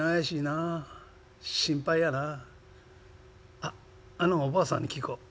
あっあのおばあさんに聞こう。